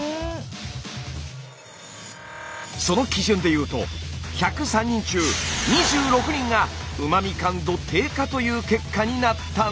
その基準で言うと１０３人中２６人がうま味感度低下という結果になったんです。